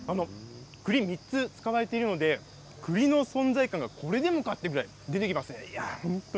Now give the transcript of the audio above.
栗３つ使われているので栗の存在感がこれでもかというぐらい出てきます。